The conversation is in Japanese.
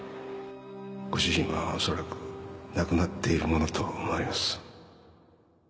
ご主人はおそらく亡くなっているものと思われます